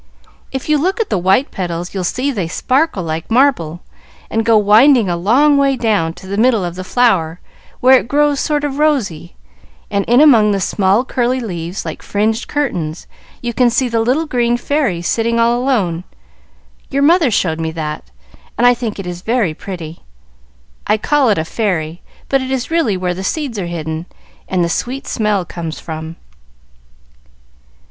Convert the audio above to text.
"If you look at the white petals you'll see that they sparkle like marble, and go winding a long way down to the middle of the flower where it grows sort of rosy; and in among the small, curly leaves, like fringed curtains, you can see the little green fairy sitting all alone. Your mother showed me that, and I think it is very pretty. I call it a 'fairy,' but it is really where the seeds are hidden and the sweet smell comes from."